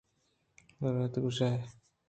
تورد گوٛشئے